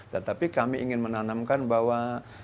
tetapi kami ingin menanamkan bahwa